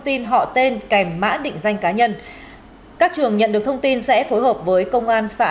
tin họ tên kèm mã định danh cá nhân các trường nhận được thông tin sẽ phối hợp với công an xã